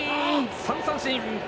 ３三振！